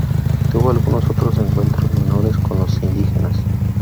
Tuvo algunos otros encuentros menores con los indígenas.